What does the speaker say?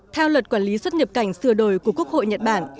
theo luật quản lý xuất nhập cảnh sửa đổi của quốc hội nhật bản